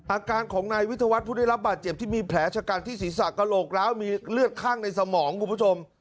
อาการของนายวิทยาวัฒน์ผู้ได้รับบาดเจ็บที่มีแผลชะกันที่ศีรษะกระโหลกร้าวมีเลือดข้างในสมองคุณผู้ชม